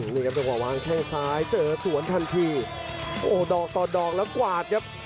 นี่ครับจังหวะวางแข้งซ้ายเจอสวนทันทีโอ้โหดอกต่อดอกแล้วกวาดครับ